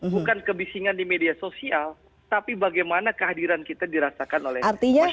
bukan kebisingan di media sosial tapi bagaimana kehadiran kita dirasakan oleh masyarakat